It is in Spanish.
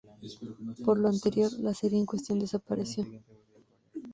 Por lo anterior, la Serie en cuestión desapareció.